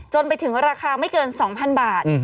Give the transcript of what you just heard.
ไปถึงราคาไม่เกิน๒๐๐๐บาท